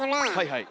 はい。